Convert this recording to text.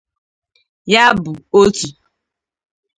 Ya bụ òtù